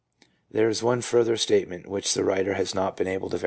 There is one further statement which the writer has not been able to verify, but 1 J.